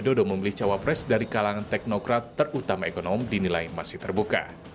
widodo memilih jokowi dari kalangan teknokrat terutama ekonomi dinilai masih terbuka